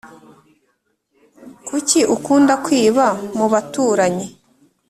kuki ukund kwiba mubaturanyi